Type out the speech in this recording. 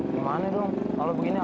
gimana dong kalau begini